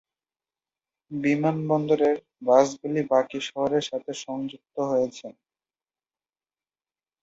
বিমানবন্দরের বাসগুলি বাকি শহরের সাথে সংযুক্ত রয়েছে।